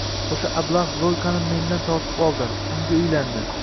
Oʻsha ablah Zoykani mendan tortib oldi, unga uylandi